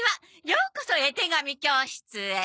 ようこそ絵手紙教室へ。